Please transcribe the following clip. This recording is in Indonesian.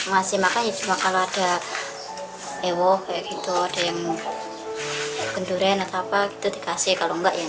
masih makan ya cuma kalau ada ewo ada yang kenduren atau apa itu dikasih